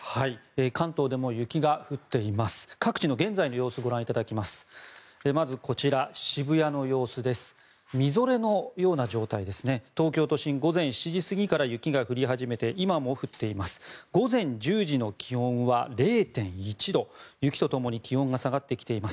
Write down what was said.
関東でも雪が降っています。